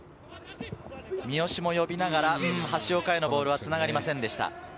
三好も呼びながら橋岡へのボールはつながりませんでした。